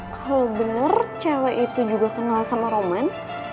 kalau benar cewek itu juga kenal sama roman